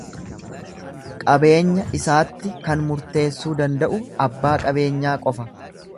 Qabeenya isaatti kan murteessuu danda'u abbaa qabeenyaa qofa.